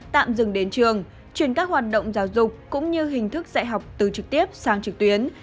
tạm dừng đến trường chuyển các hoạt động giáo dục cũng như hình thức dạy học từ trực tiếp sang trực tuyến